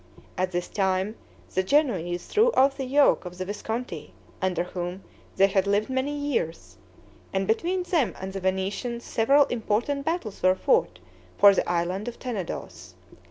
At this time, the Genoese threw off the yoke of the Visconti under whom they had lived many years; and between them and the Venetians several important battles were fought for the island of Tenedos.